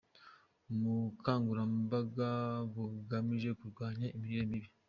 Ubukangurambaga bugamije kurwanya imirire mibi.